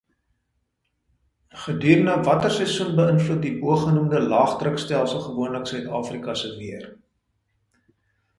Gedurende watter seisoen beïnvloed die bogenoemde laagdrukstelsel gewoonlik Suid-Afrika se weer?